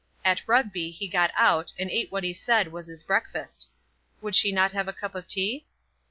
At Rugby he got out and ate what he said was his breakfast. Would not she have a cup of tea?